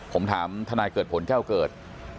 ผมถามทนายเกิดผลแก้วเกิด